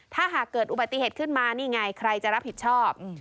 ถ้าหากเกิดอุบัติเหตุขึ้นมานี่ไงใครจะรับผิดชอบ